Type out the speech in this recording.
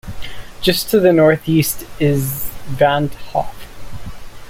Just to the northeast is van't Hoff.